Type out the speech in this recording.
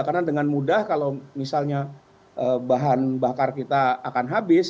karena dengan mudah kalau misalnya bahan bakar kita akan habis